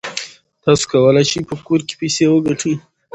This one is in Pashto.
تاسو کولای شئ په کور کې پیسې وګټئ.